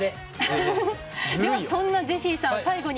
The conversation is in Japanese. そんなジェシーさん